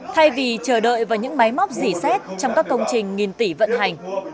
thay vì chờ đợi vào những máy móc dỉ xét trong các công trình nghìn tỷ vận hành